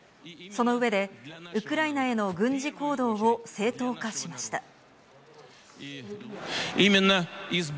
その上で、ウクライナへの軍事行動を正当化しました。